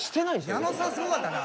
矢野さんすごかったな。